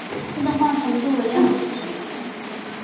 自动化程度为亚洲之首。